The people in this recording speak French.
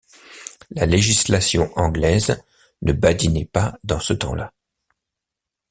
La législation anglaise ne badinait pas dans ce temps-là.